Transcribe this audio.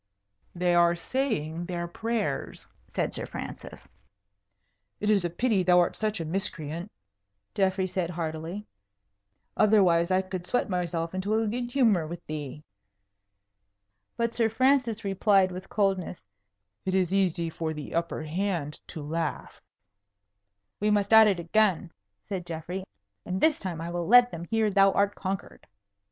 "They are saying their prayers," said Sir Francis. "It is a pity thou art such a miscreant," Geoffrey said, heartily; "otherwise I could sweat myself into a good humour with thee." But Sir Francis replied with coldness, "It is easy for the upper hand to laugh." "We must at it again," said Geoffrey; "and this time I will let them hear thou art conquered."